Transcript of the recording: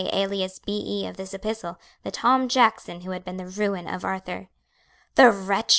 alias B. E." of this epistle, the Tom Jackson who had been the ruin of Arthur. "The wretch!